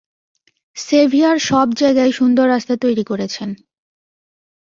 Severe সব জায়গায় সুন্দর রাস্তা তৈরী করেছেন।